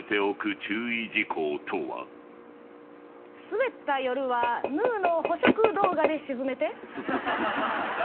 スベった夜はヌーの捕食動画で鎮めて。